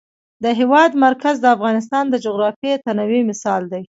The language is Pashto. د هېواد مرکز د افغانستان د جغرافیوي تنوع مثال دی.